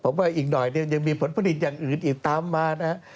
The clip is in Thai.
ผมว่าอีกหน่อยเนี่ยยังมีผลผลิตอย่างอื่นอีกตามมานะครับ